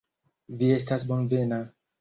Vi estas bonvena.